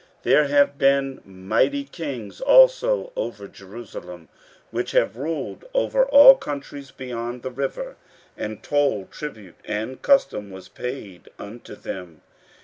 15:004:020 There have been mighty kings also over Jerusalem, which have ruled over all countries beyond the river; and toll, tribute, and custom, was paid unto them.